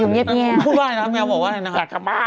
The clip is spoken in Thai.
พูดว่าอะไรนะแมวบอกว่าอยากกลับบ้าน